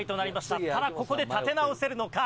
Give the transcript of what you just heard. ただここで立て直せるのか？